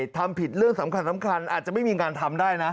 ทำผิดเรื่องสำคัญอาจจะไม่มีงานทำได้นะ